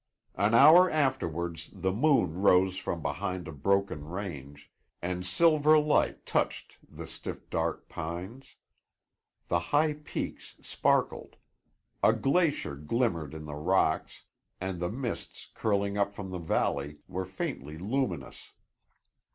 An hour afterwards the moon rose from behind a broken range, and silver light touched the stiff dark pines. The high peaks sparkled; a glacier glimmered in the rocks, and the mists curling up from the valley were faintly luminous.